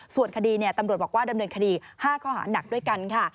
ส่วนคดีตำรวจบอกว่าดำเนินคดี๕ข้อหานักด้วยกันค่ะ